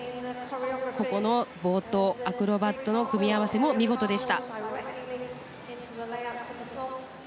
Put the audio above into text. ここの冒頭アクロバットの組み合わせも見事でした。